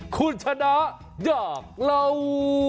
ขุนชนะยากลาว